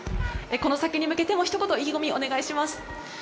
この先に向けて意気込みをお願いします。